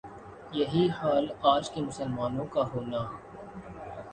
یہی حال آج کا مسلمان ممالک کا ہونا